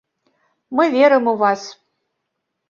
Мы верым у вас.